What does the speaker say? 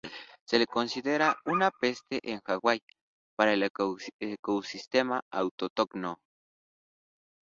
Se le considera una peste en Hawaii para el ecosistema autóctono.